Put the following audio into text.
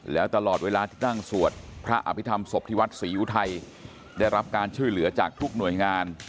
แล้วตลอดเวลาที่นั่งสวดพระอภิษฐรรมศพที่วัดศรีอุทัยได้รับการช่วยเหลือจากทุกหน่วยงาน